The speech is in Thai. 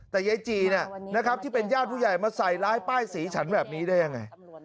แต่ยายจีนะครับที่เป็นญาติผู้ใหญ่มาใส่ร้ายป้ายสีฉันแบบนี้ได้ยังไง